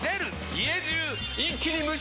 家中一気に無臭化！